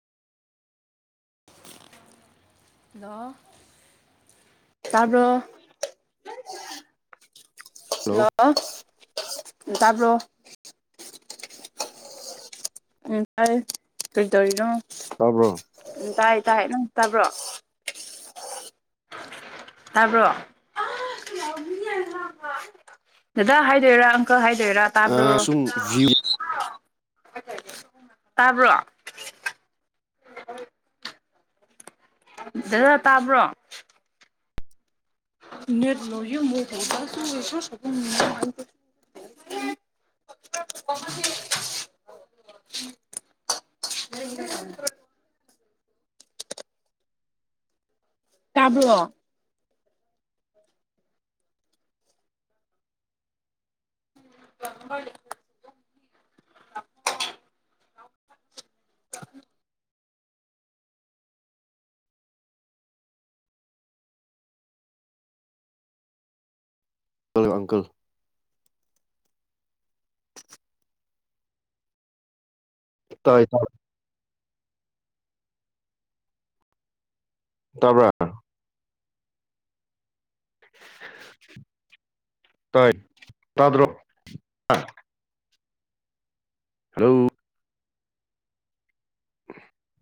ꯂ ꯇꯔꯕ ꯍꯜꯂꯣ ꯍ ꯇꯥꯞ꯭ꯔꯣ ꯎ ꯐꯔ ꯀ ꯇꯔꯔꯣ ꯇꯥꯕ꯭ꯔꯣ ꯎꯝ ꯇꯥꯏ ꯇꯥꯏ ꯅꯪ ꯇꯕ꯭ꯔꯣ ꯇꯥꯕ꯭ꯔꯣ ꯗꯗꯥ ꯍꯥꯏꯗꯣꯏꯔꯥ ꯑꯪꯀꯜ ꯍꯥꯏꯗꯣꯏꯔꯥ ꯇꯥꯕ꯭ꯔꯣ ꯑ ꯁꯨꯝ ꯚ꯭ꯌꯨ ꯇꯥꯕ꯭ꯔꯣ ꯗꯥ ꯇꯥꯕ꯭ꯔꯣ ꯅꯦꯠꯣ ꯃꯣ ꯑꯣ ꯍꯔ ꯇꯥꯕ꯭ꯔꯣ [unintelligible] ꯍꯜꯂꯣ ꯑꯪꯀꯜ ꯇꯥꯏ ꯇꯥꯏ ꯇꯥꯕ꯭ꯔ ꯇꯥꯏ ꯇꯥꯗ꯭ꯔꯣ ꯍꯂꯣ